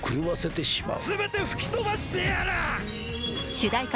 主題歌